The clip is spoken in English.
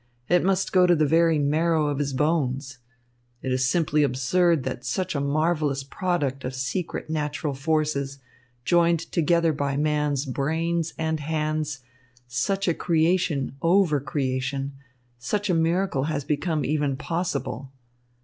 It must go to the very marrow of his bones. It is simply absurd that such a marvellous product of secret natural forces, joined together by man's brains and hands, such a creation over creation, such a miracle has become even possible."